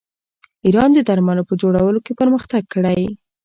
ایران د درملو په جوړولو کې پرمختګ کړی.